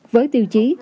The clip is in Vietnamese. với tiêu chí